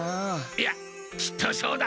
いやきっとそうだ！